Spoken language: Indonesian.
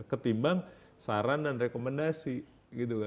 ketimbang saran dan rekomendasi gitu kan